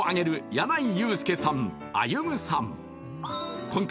野内裕介さん歩夢さん